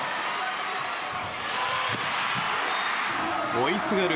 追いすがる